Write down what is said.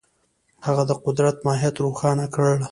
هغه د قدرت ماهیت روښانه کړ.